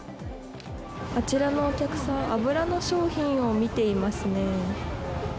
あちらのお客さん、油の商品を見ていますね。